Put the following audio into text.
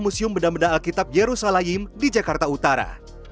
museum benda benda alkitab yerusalem di jakarta utara